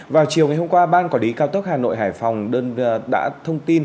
vào chiều ngày hôm qua ban quản lý cao tốc hà nội hải phòng